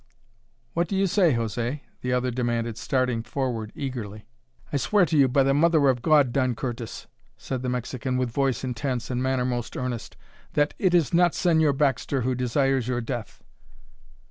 "What do you say, José?" the other demanded, starting forward eagerly. "I swear to you by the Mother of God, Don Curtis," said the Mexican, with voice intense and manner most earnest, "that it is not Señor Baxter who desires your death."